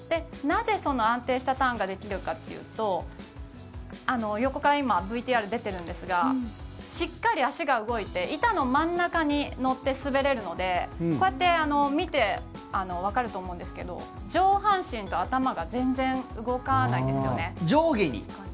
なぜ、その安定したターンができるかというと横からＶＴＲに出ているんですがしっかり足が動いて板の真ん中に乗って滑れるのでこうやって見てわかると思うんですが上半身と頭が全然動かないですよね。